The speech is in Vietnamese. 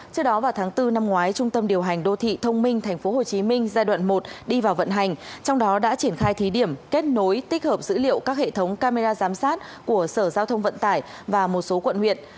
trước đó vào tháng bốn năm ngoái trung tâm điều hành đô thị thông minh tp hcm giai đoạn một đi vào vận hành trong đó đã triển khai thí điểm kết nối tích hợp dữ liệu các hệ thống camera giám sát của sở giao thông vận tải và một số quận huyện